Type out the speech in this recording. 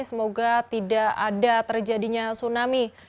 semoga tidak ada terjadinya tsunami